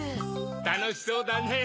たのしそうだねぇ